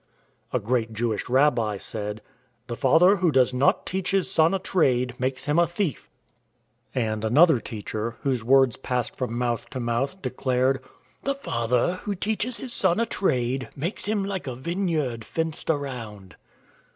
A great Jewish rabbi said, " The father who does not teach his son a trade makes him as a thief," 80 IN TRAINING and another teacher, whose words passed from mouth to mouth, declared, " The father who teaches his son a trade makes him like a vineyard fenced around."